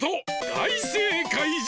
だいせいかいじゃ！